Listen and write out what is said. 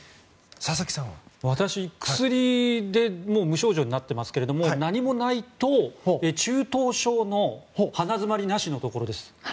私、薬で無症状になってますけど何もないと中等症の鼻詰まりなしのところです。